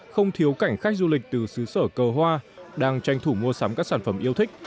không thiếu cảnh khách du lịch từ xứ sở cầu hoa đang tranh thủ mua sắm các sản phẩm yêu thích